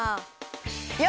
よし！